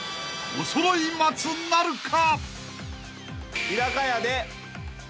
［おそろい松なるか！？］